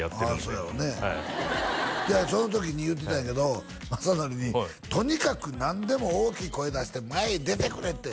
あそうやろうねはいいやその時に言うてたんやけど雅紀に「とにかく何でも大きい声出して前へ出てくれって」